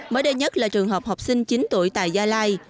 mới đây nhất là trường hợp học sinh chín tuổi tại gia lai